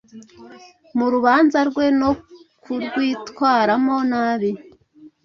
mu rubanza rwe no kurwitwaramo nabi.